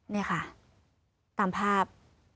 นี่ค่ะตามภาพ